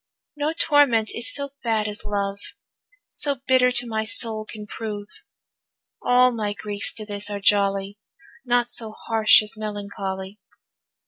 No torment is so bad as love, So bitter to my soul can prove. All my griefs to this are jolly, Naught so harsh as melancholy.